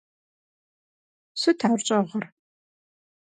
Сыт ар щӏэгъыр?